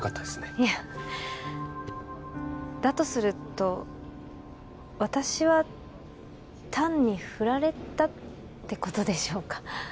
いえだとすると私は単にフラれたってことでしょうか？